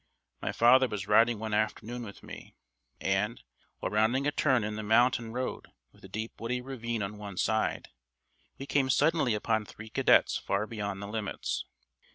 My father was riding one afternoon with me, and, while rounding a turn in the mountain road with a deep woody ravine on one side, we came suddenly upon three cadets far beyond the limits.